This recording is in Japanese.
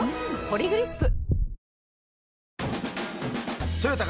「ポリグリップ」